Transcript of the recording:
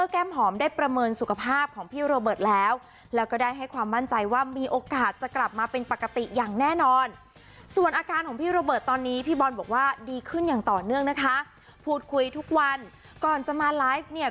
ขึ้นอย่างต่อเนื่องนะคะพูดคุยทุกวันก่อนจะมาไลฟ์เนี่ย